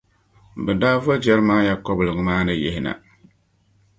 bɛ daa vo Jeremiah kɔbiliga maa ni yihina.